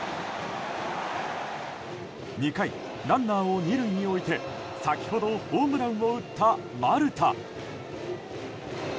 ２回、ランナーを２塁に置いて先ほどホームランを打った丸田。